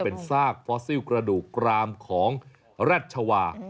เป็นซากฟอสซิลกระดูกกรามของรัชวา